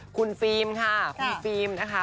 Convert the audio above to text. คุณฟิล์มค่ะคุณฟิล์มนะคะ